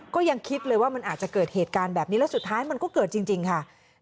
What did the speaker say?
ก็ยังคิดเลยว่ามันอาจจะเกิดเหตุการณ์แบบนี้แล้วสุดท้ายมันก็เกิดจริงค่ะ